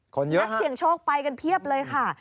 เยอะนักเสี่ยงโชคไปกันเพียบเลยค่ะ